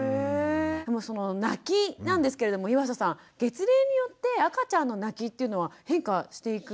でもその泣きなんですけれども岩佐さん月齢によって赤ちゃんの泣きっていうのは変化していく感じですか？